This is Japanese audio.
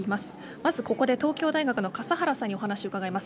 まず、ここで東京大学の笠原さんにお話を伺います。